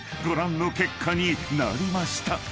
［ご覧の結果になりました］